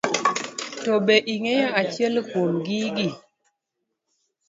To be ing'eyo achiel kuom gigi.